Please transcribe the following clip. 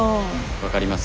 分かります。